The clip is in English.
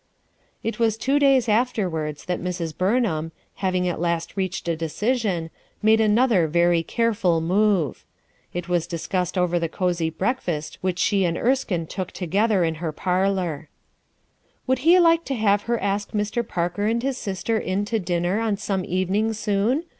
It was two days afterwards that Mrs. Buinham, having at last reached a decision, made another very careful move* It was discussed over the cosey breakfast which she and Erskine took to gether in her parlor. 54 RUTH ERSKINE'S SON "Would lie like to have her ask Mr. Parker and his sister in to dinner on some evening soon